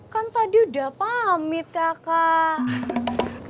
kan tadi udah pamit kakak